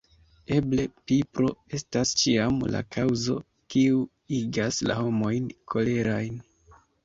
Eble pipro estas ĉiam la kaŭzo kiu igas la homojn koleraj.